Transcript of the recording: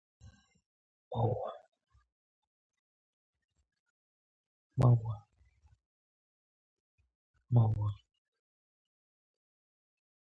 The Union superseded and absorbed the European Communities as one of its three pillars.